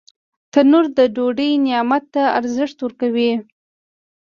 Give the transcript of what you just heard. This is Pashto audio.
تنور د ډوډۍ نعمت ته ارزښت ورکوي